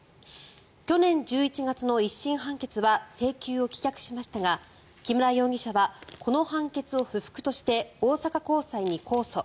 去年１１月の１審判決は請求を棄却しましたが木村容疑者はこの判決を不服として大阪高裁に控訴。